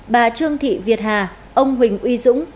bà trương thị việt hà ông huỳnh uy dũng